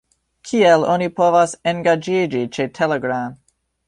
Kiel oni povas engaĝiĝi ĉe Telegram?